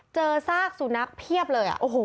เจอทราบสุนัขเพียบเลย